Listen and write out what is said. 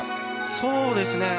そうですね。